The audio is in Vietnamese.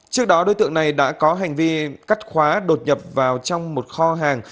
trước đó đối tượng này đã có hành vi cắt khóa đột nhập vào trong một kho hàng